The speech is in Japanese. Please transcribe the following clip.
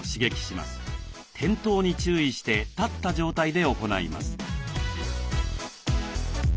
転倒に注意して立った状態で行います。